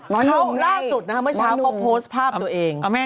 เขาล่าสุดนะเมื่อเช้าโพสต์ภาพตัวเอง